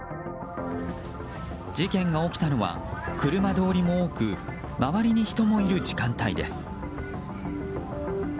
事件が起きたのは、車通りも多く周りに人もいる時間帯です。